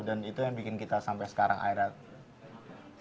dan itu yang bikin kita sampai sekarang akhirnya